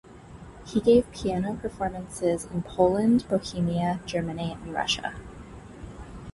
He gave piano performances in Poland, Bohemia, Germany and Russia.